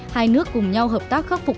hai nước cùng nhau hợp tác khắc phục